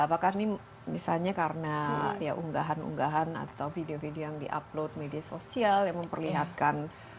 apakah ini misalnya karena ya unggahan unggahan atau video video yang di upload media sosial yang memperlihatkan